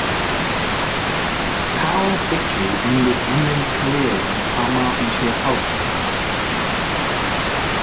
Powell's victory ended Emlyn's career in Carmarthenshire politics.